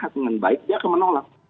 kalau sehat dengan baik dia akan menolak